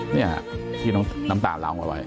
นี่ค่ะที่น้ำตาลลองเอาไว้